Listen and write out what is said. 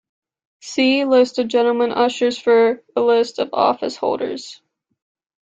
See List of Gentlemen Ushers for a list of office-holders.